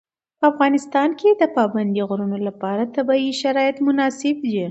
په افغانستان کې د پابندی غرونه لپاره طبیعي شرایط مناسب دي.